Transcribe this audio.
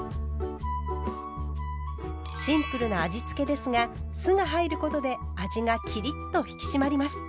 シンプルな味付けですが酢が入ることで味がきりっと引き締まります。